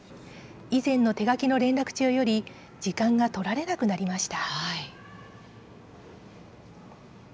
以前の手書きの連絡帳より時間が取られなくなりました。